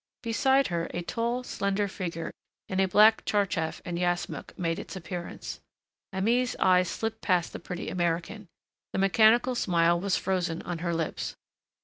Beside her a tall slender figure, in black tcharchaf and yashmak, made its appearance. Aimée's eyes slipped past the pretty American; the mechanical smile was frozen on her lips.